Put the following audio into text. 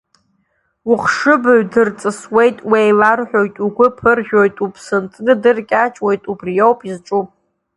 Ухшыбаҩ дырҵысуеит, уеилархәоит, угәы ԥыржәоит, уԥсынҵры дыркьаҿуеит, убриоуп изҿу…